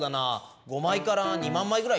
５枚から２万枚ぐらいかな？